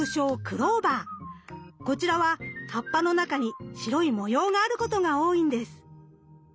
こちらは葉っぱの中に白い模様があることが多いんです。